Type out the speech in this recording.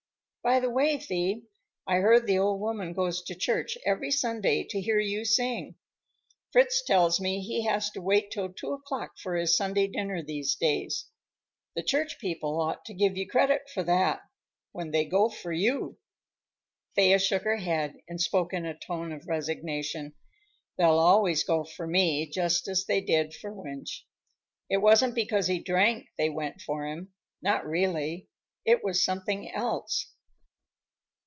"By the way, Thee, I hear the old woman goes to church every Sunday to hear you sing. Fritz tells me he has to wait till two o'clock for his Sunday dinner these days. The church people ought to give you credit for that, when they go for you." Thea shook her head and spoke in a tone of resignation. "They'll always go for me, just as they did for Wunsch. It wasn't because he drank they went for him; not really. It was something else."